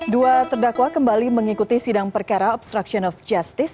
dua terdakwa kembali mengikuti sidang perkara obstruction of justice